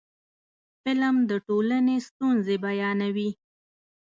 فلم د ټولنې ستونزې بیانوي